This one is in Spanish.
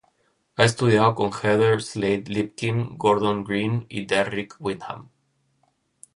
Ha estudiado con Heather Slade-Lipkin, Gordon Green y Derrick Wyndham.